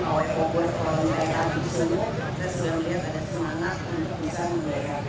oleh obor kalau memiliki alat di solo kita sudah melihat ada semangat untuk bisa memiliki